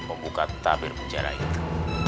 membuka tabir penjara itu